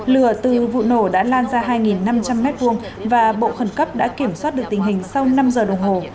lửa từ vụ nổ đã lan ra hai năm trăm linh m hai và bộ khẩn cấp đã kiểm soát được tình hình sau năm giờ đồng hồ